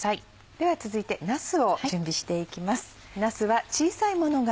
では続いてなすを準備していきます。